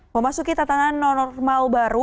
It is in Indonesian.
memasuki tatanan non normal baru